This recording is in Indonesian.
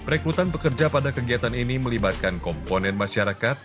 rekrutan pekerja pada kegiatan ini melibatkan komponen masyarakat